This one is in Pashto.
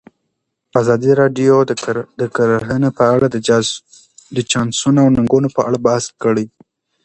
ازادي راډیو د کرهنه په اړه د چانسونو او ننګونو په اړه بحث کړی.